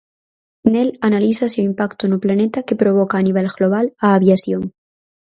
Nel analízase o impacto no planeta que provoca a nivel global a aviación.